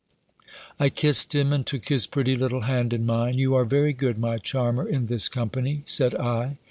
I kissed him, and took his pretty little hand in mine "You are very good, my charmer, in this company!" said I.